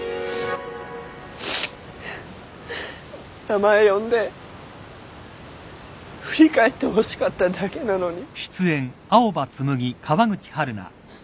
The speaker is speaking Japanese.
名前呼んで振り返ってほしかっただけなのに。